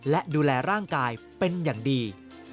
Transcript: และดูแลร่างกายเป็นอย่างดี